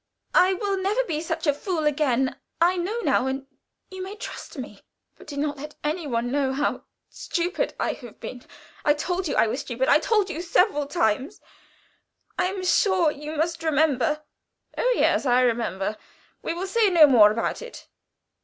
I will never be such a fool again. I know now and you may trust me. But do not let any one know how stupid I have been. I told you I was stupid I told you several times. I am sure you must remember." "Oh, yes, I remember. We will say no more about it."